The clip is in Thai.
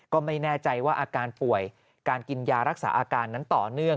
ก็ไม่แน่ใจว่าอาการป่วยการกินยารักษาอาการนั้นต่อเนื่อง